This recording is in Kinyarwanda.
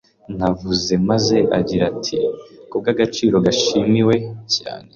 Navuze maze agira ati Kubwagaciro gashimiwe cyane